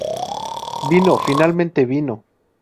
¡ Vino! ¡ finalmente vino!